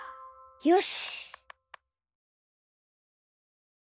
よし！